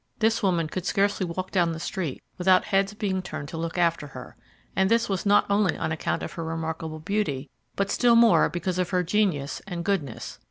This woman could scarcely walk down the street without heads being turned to look after her, and this not only on account of her remarkable beauty, but still more because of her genius and her goodness.